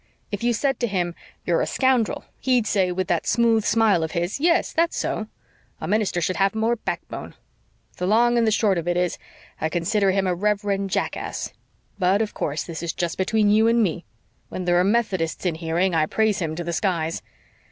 If you said to him, 'You're a scoundrel,' he'd say, with that smooth smile of his, 'Yes, that's so.' A minister should have more backbone. The long and the short of it is, I consider him a reverend jackass. But, of course, this is just between you and me. When there are Methodists in hearing I praise him to the skies.